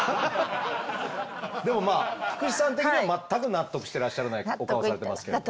でもまあ菊地さん的には全く納得してらっしゃらないお顔をされてますけれども。